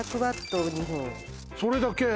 それだけ！？